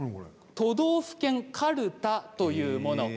都道府県かるた、というものです。